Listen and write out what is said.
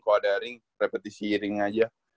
kalau ada ring repetisi ring aja